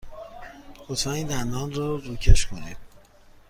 لطفاً این دندان را روکش کنید.